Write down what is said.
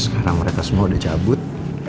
sekarang mereka semua udah cabut